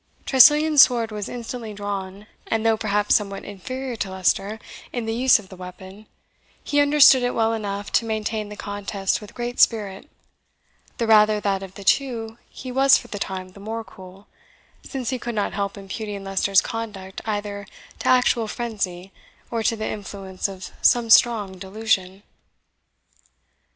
Tressilian's sword was instantly drawn; and though perhaps somewhat inferior to Leicester in the use of the weapon, he understood it well enough to maintain the contest with great spirit, the rather that of the two he was for the time the more cool, since he could not help imputing Leicester's conduct either to actual frenzy or to the influence of some strong delusion.